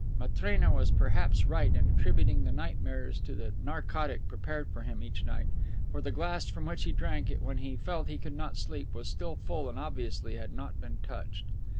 Matrena was perhaps right in attributing the nightmares to the narcotic prepared for him each night, for the glass from which he drank it when he felt he could not sleep was still full and obviously had not been touched.